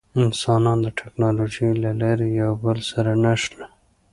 انسانان د ټکنالوجۍ له لارې یو بل سره نښلي.